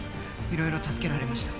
いろいろ助けられました。